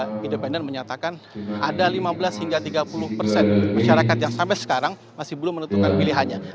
pemerintah independen menyatakan ada lima belas hingga tiga puluh persen masyarakat yang sampai sekarang masih belum menentukan pilihannya